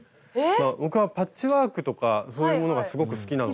僕はパッチワークとかそういうものがすごく好きなので。